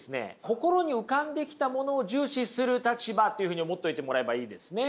心に浮かんできたものを重視する立場というふうに思っといてもらえばいいですね。